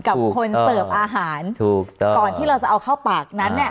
เหมือนกับคนเสิร์ฟอาหารก่อนที่เราจะเอาเข้าปากนั้น